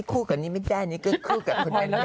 คู่กับนี้ไม่ได้นี้คู่กับคนอื่น